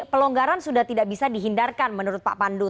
pelonggaran sudah tidak bisa dihindarkan menurut pak pandu